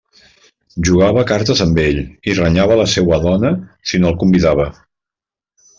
Jugava a cartes amb ell i renyava la seua dona si no el convidava.